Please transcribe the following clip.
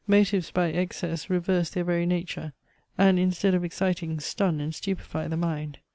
Motives by excess reverse their very nature, and instead of exciting, stun and stupify the mind.